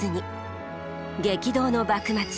激動の幕末。